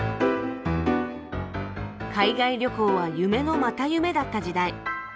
海外旅行は夢のまた夢だった時代。